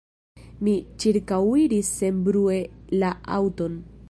Mi ĉirkaŭiris senbrue la aŭton.